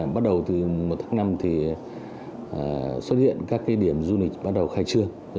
bắt đầu từ một tháng năm xuất hiện các địa điểm du lịch bắt đầu khai trương